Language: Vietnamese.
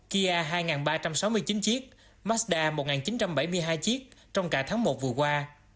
kia hai ba trăm sáu mươi chín chiếc mazda một chín trăm bảy mươi hai chiếc trong cả tháng một vừa qua